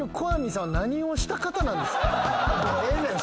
もうええねん